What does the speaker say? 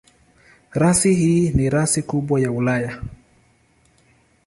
Rasi hii ni rasi kubwa ya Ulaya.